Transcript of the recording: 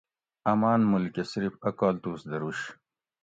امان مول کہ صرف ا کالتوس دروش